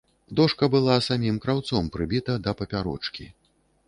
Дошка была самім краўцом прыбіта да папярочкі.